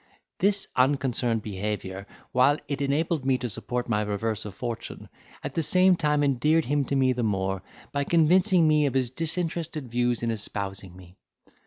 This unconcerned behaviour, while it enabled me to support my reverse of fortune, at the same time endeared him to me the more, by convincing me of his disinterested views in espousing me.